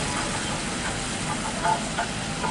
انډول بايد وساتل شي.